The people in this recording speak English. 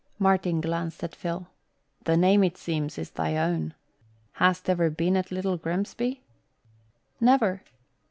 Martin glanced at Phil. "The name, it seems, is thine own. Hast ever been at Little Grimsby?" "Never."